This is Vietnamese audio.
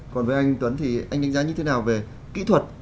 còn với anh tuấn thì anh đánh giá như thế nào về kỹ thuật